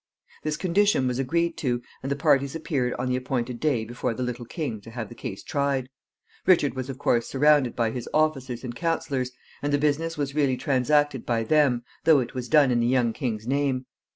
This condition was agreed to, and the parties appeared on the appointed day before the little king to have the case tried. Richard was, of course, surrounded by his officers and counselors, and the business was really transacted by them, though it was done in the young king's name.